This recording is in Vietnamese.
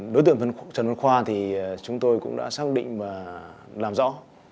đối tượng trần văn khoa thì chúng tôi cũng đã xác định và làm rõ